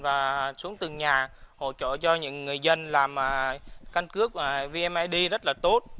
hãy xuống từng nhà hỗ trợ cho những người dân làm canh cước vneid rất là tốt